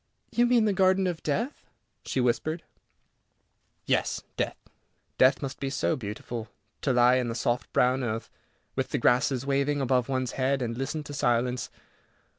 "You mean the Garden of Death," she whispered. "Yes, death. Death must be so beautiful. To lie in the soft brown earth, with the grasses waving above one's head, and listen to silence.